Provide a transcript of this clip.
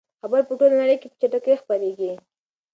خبر په ټوله نړۍ کې په چټکۍ خپریږي.